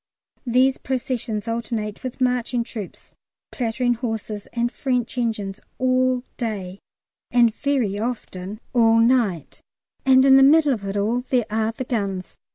These processions alternate with marching troops, clattering horses, and French engines all day, and very often all night, and in the middle of it all there are the guns.